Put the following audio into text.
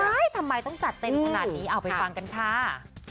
ทำไมต้องจัดเต็มขนาดนี้เอาไปฟังกันค่ะ